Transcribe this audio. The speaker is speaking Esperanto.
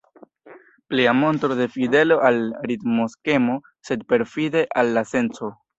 Plia montro de fidelo al ritmoskemo, sed perfide al la senco.